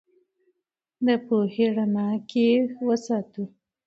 د پوهې په رڼا کې یې وساتو.